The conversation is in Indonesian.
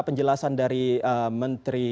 penjelasan dari menteri